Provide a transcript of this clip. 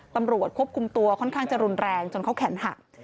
ตำรวจควบคุมตัวค่อนข้างจะรุนแรงจนเขาแขนหัก